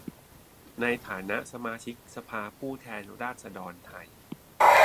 ในฐานะสมาชิกสภาผู้แทนราษฎรไทย